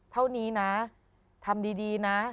เท่านี้นะทำดีนะ